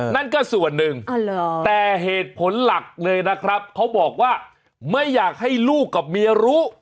นั่นก็ส่วนหนึ่งแต่เหตุผลหลักเลยนะครับเขาบอกว่าไม่อยากให้ลูกกับเมียรู้